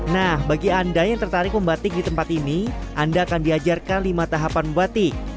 nah bagi anda yang tertarik membatik di tempat ini anda akan diajarkan lima tahapan membatik